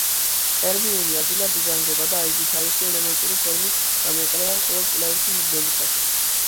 ტერბიუმი ადვილად იჟანგება და იგი თავისი ელემენტური ფორმით გამოიყენება მხოლოდ კვლევითი მიზნებისათვის.